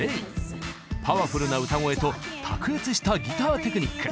パワフルな歌声と卓越したギターテクニック。